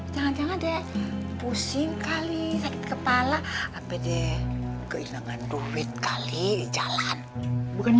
jangan jangan det pusing kali sakit kepala apa deh keilangan duit kali jalan bukinnya